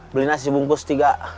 beli nasi bungkus tiga